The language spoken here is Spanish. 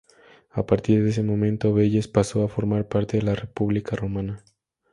A partir de ese momento Veyes pasó a formar parte de la República romana.